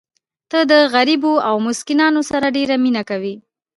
ته د غریبو او مسکینانو سره ډېره مینه کوې.